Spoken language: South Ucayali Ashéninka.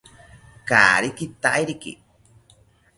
Kaari kitairiki